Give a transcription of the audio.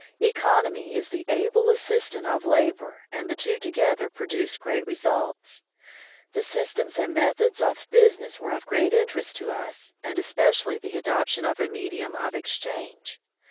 Economy is the able assistant of labor, and the two together produce great results. The systems and methods of business were of great interest 47 From the Deep Woods to Civilization to us, and especially the adoption of a medium of exchange.